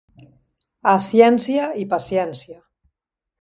A ciència i paciència.